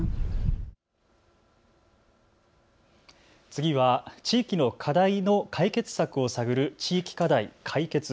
次は地域の課題の解決策を探る地域課題カイケツ。